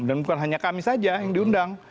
dan bukan hanya kami saja yang diundang